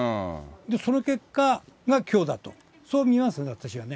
その結果がきょうだと、そう見ますね、私はね。